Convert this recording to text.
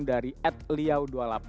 dari at liau dua puluh delapan